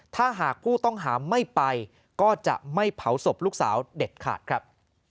ถ้าหากผู้ต้องหาไม่ไปก็จะไม่เผาศพลูกสาวเด็ดขาดครับ